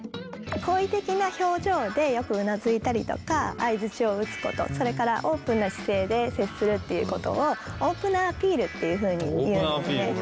好意的な表情でよくうなずいたりとか相づちを打つことそれからオープンな姿勢で接するっていうことをオープナーアピールっていうふうに言うんですね。